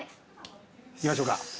いきましょうか。